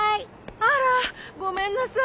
あらごめんなさい。